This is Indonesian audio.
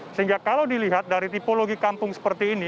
sehingga kalau dilihat dari tipologi kampung seperti ini